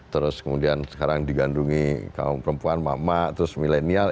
terus kemudian sekarang digandungi kaum perempuan mama terus milenial